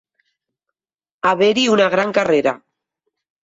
Haver-hi una gran carrera.